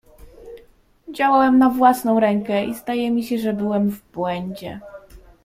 "Działałem na własną rękę i zdaje mi się, że byłem w błędzie."